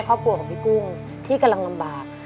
ครอบครัวของพี่กุ้งที่กำลังลำบาก